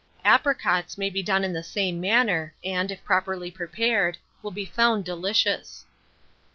Apricots may be done in the same manner, and, if properly prepared, will be found delicious.